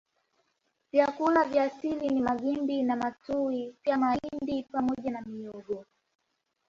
Vyakula vya asili ni magimbi na matuwi pia mahindi pamoja na mihogo